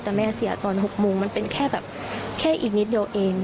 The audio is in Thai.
แต่แม่เสียตอน๖โมงมันเป็นแค่แบบแค่อีกนิดเดียวเอง